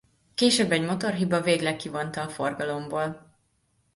Később egy motorhiba végleg kivonta a forgalomból.